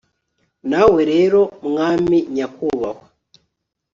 nawe rero, mwami nyakubahwa